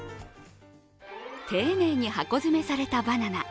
丁寧に箱詰めされたバナナ。